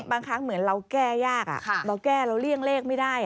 บางครั้งเหมือนเราแก้ยากเราแก้เราเลี่ยงเลขไม่ได้